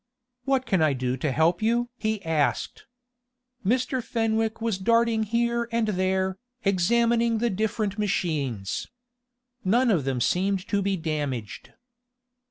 "What can I do to help you?" he asked. Mr. Fenwick was darting here and there, examining the different machines. None of them seemed to be damaged.